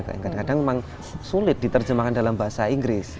kadang kadang memang sulit diterjemahkan dalam bahasa inggris